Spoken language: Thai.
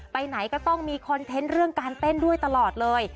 ไปไหนก็ต้องมีคอนเทนต์เรื่องการเต้นด้วยตลอดเลย